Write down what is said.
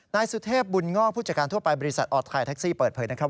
นายสุเทพบุญง่อผู้จัดการทั่วไปบริษัทออทไทยแท็กซี่เปิดเผยนะครับ